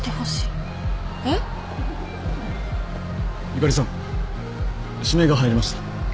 ユカリさん指名が入りました